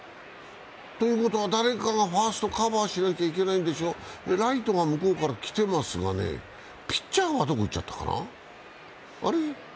ということは誰かがファーストをカバーしなきゃいけないんでしょ、ライトが向こうから来てますがね、ピッチャーはどこ行っちゃったかな？